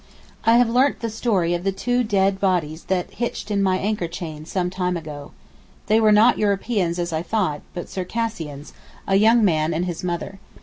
I have learnt the story of the two dead bodies that hitched in my anchor chain some time ago. They were not Europeans as I thought, but Circassians—a young man and his mother.